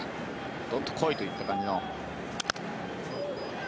どんと来いという感じの。